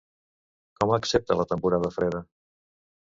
Com accepta la temporada freda?